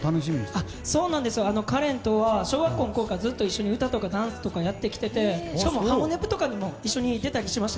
かれんとは小学校の頃からずっと歌とかダンスとかやってきていてしかも「ハモネプ」とかにも一緒に出たりしました。